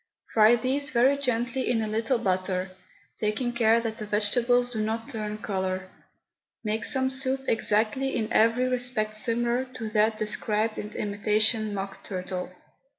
Fry these very gently in a little butter, taking care that the vegetables do not turn colour. Make some soup exactly in every respect similar to that described in Imitation Mock Turtle.